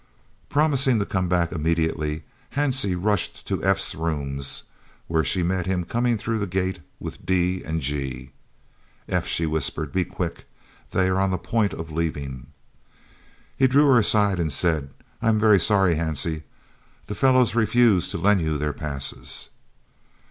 Promising to come back immediately, Hansie rushed to F.'s rooms, where she met him coming through the gate with D. and G. "F.," she whispered, "be quick. They are on the point of leaving." He drew her aside and said: "I am very sorry, Hansie. The fellows refuse to lend you their passes."